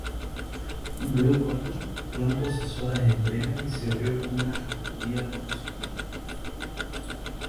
Blue Bottle pronto cesó las entregas y se abrió como una cafetería tradicional.